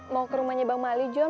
mau ke rumahnya bang mali john